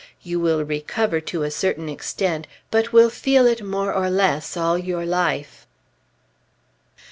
"You will recover, to a certain extent; but will feel it more or less all your life."